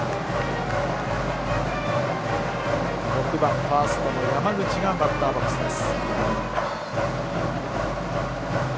６番ファーストの山口がバッターボックスです。